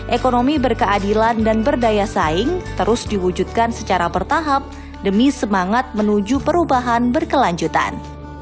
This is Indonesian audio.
ekonomi berkeadilan dan berdaya saing terus diwujudkan secara bertahap demi semangat menuju perubahan berkelanjutan